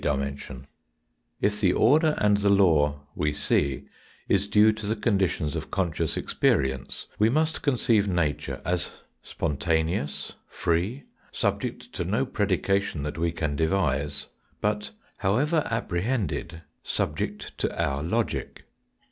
120 THE FOURTH DIMENSION If the order and the law we see is due to the conditions of conscious experience, we must conceive nature as spontaneous, free, subject to no predication that we can devise, but, however apprehended, subject to our logic.